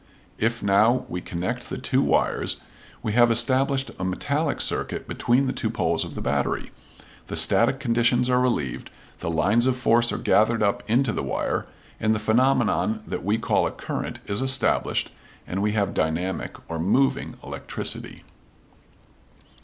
If now we connect the two wires, we have established a metallic circuit between the two poles of the battery, the static conditions are relieved, the lines of force are gathered up into the wire, and the phenomenon that we call a current is established and we have dynamic or moving electricity.